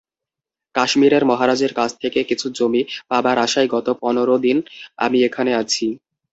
কাশ্মীরের মহারাজের কাছ থেকে কিছু জমি পাবার আশায় গত পনর দিন আমি এখানে আছি।